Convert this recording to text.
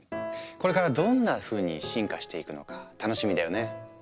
これからどんなふうに進化していくのか楽しみだよね。